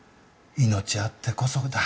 命あってこそだ。